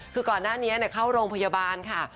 คือก่อนหน้านี้เข้าโรงพยาบาลค่ะ